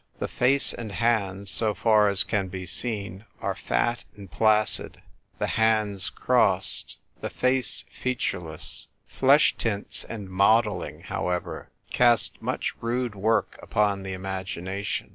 The face and hands, so far as can be seen, are fat and placid ; the hands crossed ; the face feature less. Flesh tints and modelling, however, cast much rude work upon the imagination.